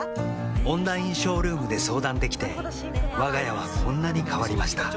オンラインショールームで相談できてわが家はこんなに変わりました